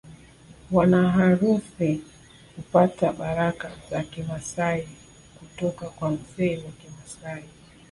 Wanaharusi hupata baraka za Kimasai kutoka kwa mzee wa Kimasai